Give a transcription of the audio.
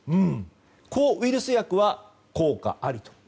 抗ウイルス薬は効果ありと。